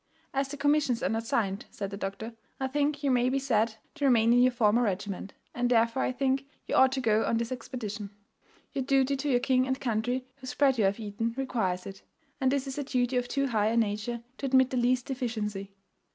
"'As the commissions are not signed,' said the doctor, 'I think you may be said to remain in your former regiment; and therefore I think you ought to go on this expedition; your duty to your king and country, whose bread you have eaten, requires it; and this is a duty of too high a nature to admit the least deficiency.